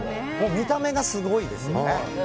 見た目がすごいですね。